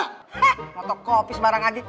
hah potokopi sembarang aja